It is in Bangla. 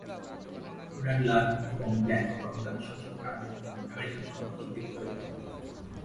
র্যাডলার এবং ব্ল্যাক তখন তাদের শত শত কানাডিয়ান এবং আমেরিকান সংবাদপত্র বিক্রি করে দেয়।